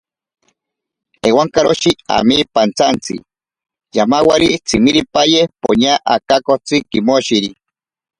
Ewankaroshi ami pantsantsi, yamawari tsimiripaye poña akakotsi kimoshiri.